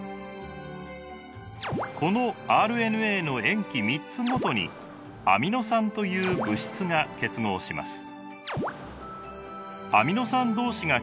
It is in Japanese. このＲＮＡの塩基３つごとにアミノ酸という物質が結合します。